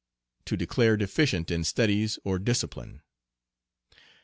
To declare deficient in studies or discipline.